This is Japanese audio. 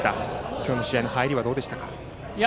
今日の試合の入りはどうでしたか。